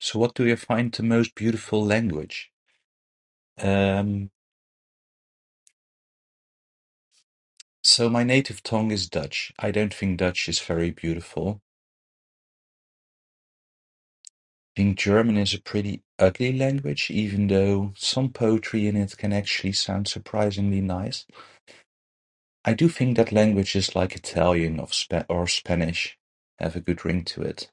So what do you find the most beautiful language? Um, so my native tongue is Dutch, I don't think Dutch is very beautiful. And German is a pretty ugly language, even though some poetry in it can actually sound surprisingly nice. I do think that languages like Italian of Sp- or Spanish have a good ring to it.